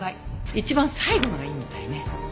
一番最後のがいいみたいね。